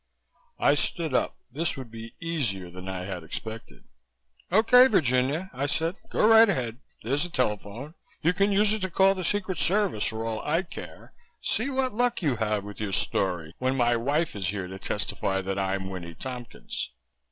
I stood up. This would be easier than I had expected. "Okay, Virginia," I said, "go right ahead. There's the telephone. You can use it to call the Secret Service for all I care. See what luck you have with your story, when my wife is here to testify that I'm Winnie Tompkins."